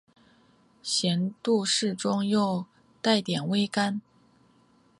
咸度适中又带点微甘